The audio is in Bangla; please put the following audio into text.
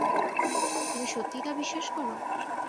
তুমি সত্যিই তা বিশ্বাস করো?